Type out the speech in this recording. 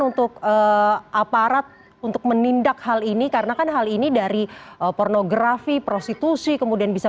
untuk aparat untuk menindak hal ini karena kan hal ini dari pornografi prostitusi kemudian bisa